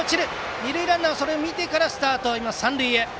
二塁ランナー、それを見てからスタートして三塁へ。